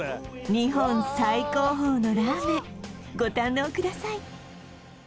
日本最高峰のラーメンご堪能ください